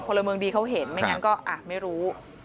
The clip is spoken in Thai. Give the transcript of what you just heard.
พลเมืองดีเขาเห็นไม่งั้นก็ไม่รู้